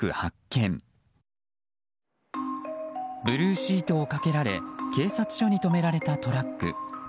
ブルーシートをかけられ警察署に止められたトラック。